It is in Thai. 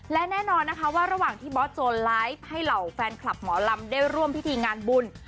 และแน่นอนนะคะว่าระหว่างที่บอสโจรไลฟ์ให้เหล่าแฟนคลับหมอลำได้ร่วมพิธีงานบุญ